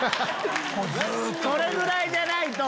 それぐらいじゃないと！